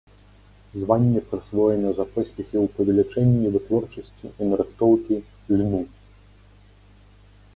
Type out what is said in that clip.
Званне прысвоена за поспехі ў павелічэнні вытворчасці і нарыхтоўкі льну.